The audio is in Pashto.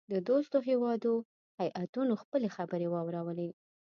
د دوستو هیوادو هیاتونو خپلي خبرې واورلې.